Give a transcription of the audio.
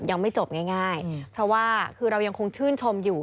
ยังไม่จบง่ายเพราะว่าคือเรายังคงชื่นชมอยู่